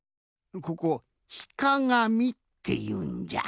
ここ「ひかがみ」っていうんじゃ。